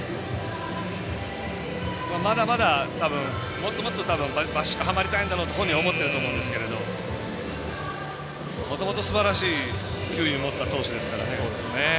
もっともっと、たぶんバシッとはまりたいんだと本人も思っているんでしょうけどもともとすばらしい球威を持った投手ですからね。